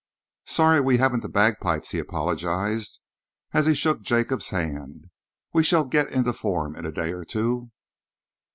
"So sorry we haven't the bagpipes," he apologised, as he shook Jacob's hand. "We shall get into form in a day or two.